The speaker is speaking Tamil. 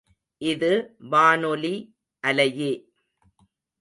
இது வானொலி அலையே.